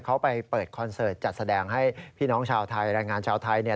เขาไปเปิดคอนเสิร์ตจัดแสดงให้พี่น้องชาวไทยแรงงานชาวไทย